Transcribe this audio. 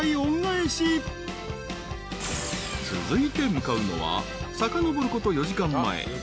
［続いて向かうのはさかのぼること４時間前］